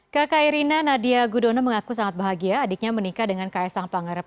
kaka erina nadia gudono mengaku sangat bahagia adiknya menikah dengan ks ang pangarep